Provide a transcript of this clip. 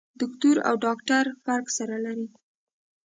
دوکتور او ډاکټر فرق سره لري.